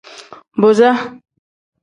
Booza.